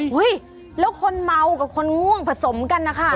เฮ้ยแล้วคนเมากับคนง่วงผสมกันนะคะ